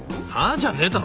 じゃねえだろ。